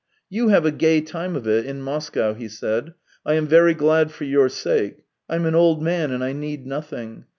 " You have a gay time of it in Moscow," he said. " I am very glad for your sake. ... I'm an old man and I need nothing.